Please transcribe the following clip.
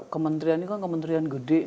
kementerian ini kan kementerian gede